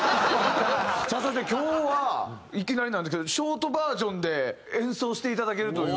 さあそして今日はいきなりなんですけどショートバージョンで演奏していただけるという。